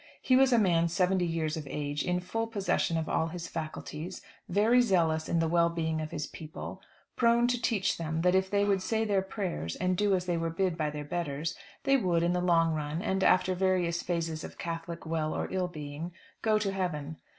He was a man seventy years of age, in full possession of all his faculties, very zealous in the well being of his people, prone to teach them that if they would say their prayers, and do as they were bid by their betters, they would, in the long run, and after various phases of Catholic well or ill being, go to heaven.